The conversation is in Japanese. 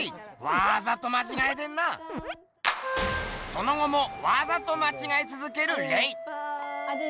その後もわざとまちがえ続けるレイ。